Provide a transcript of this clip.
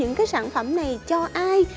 những cái sản phẩm này cho ai